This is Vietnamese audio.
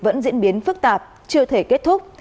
vẫn diễn biến phức tạp chưa thể kết thúc